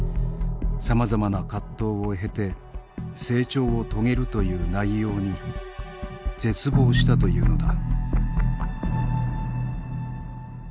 さまざまな葛藤を経て成長を遂げるという内容に絶望したというのだ。